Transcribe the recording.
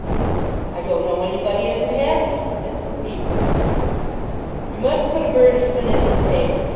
"I don't know anybody as 'd have me," said Ruby. "You must put a 'vertisement into the paper.